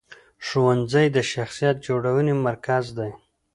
ښوونځی د شخصیت جوړونې مرکز دی.